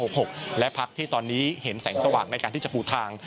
ต้องตั้ง๖และพัทธีตอนนี้เห็นแสงสว่างด้วยการที่จะปูทาง